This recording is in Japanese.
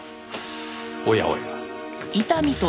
おやおや。